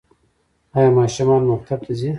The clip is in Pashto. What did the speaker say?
ایا ماشومان مو مکتب ته ځي؟